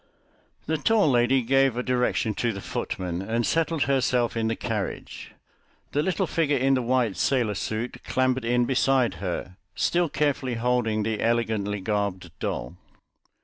The tall lady gave a direction to the footman and settled herself in the carriage. The little figure in the white sailor suit clambered in beside her, still carefully holding the elegantly garbed doll.